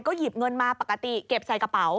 หยิบเงินมาปกติเก็บใส่กระเป๋า